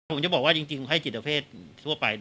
ผมจะบอกว่าจริงให้จิตเพศทั่วไป